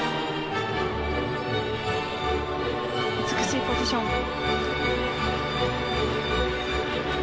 美しいポジション。